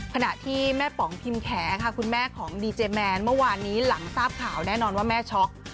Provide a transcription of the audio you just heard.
ขณะที่แม่ป๋องพิมแขค่ะคุณแม่ของดีเจแมนเมื่อวานนี้หลังทราบข่าวแน่นอนว่าแม่ช็อก